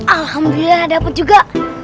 alhamdulillah dapet juga